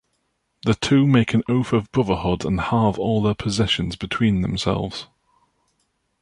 The two make an oath of brotherhood and halve all their possessions between themselves.